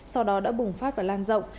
sau đó đã bùng phát và lan rộng